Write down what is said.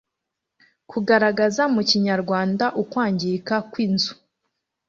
kugaragaza mu kinyarwanda ukwangirika kw'inz.u